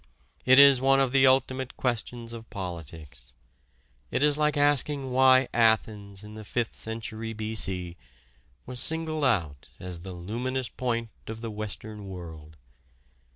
It is one of the ultimate questions of politics. It is like asking why Athens in the Fifth Century B. C. was singled out as the luminous point of the Western World.